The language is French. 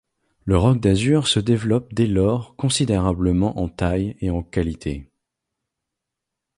Le Roc d'Azur se développe dès lors considérablement en taille et en qualité.